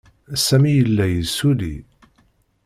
Sami yella yessulli.